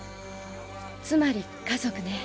つまり家族ね。